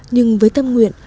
nhưng với tâm nguyện